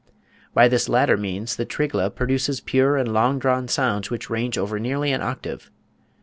By this latter means the Trigla produces pure and long drawn sounds which range over nearly an octave.